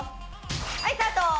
はいスタート！